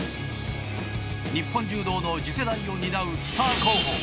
日本柔道の次世代を担うスター候補。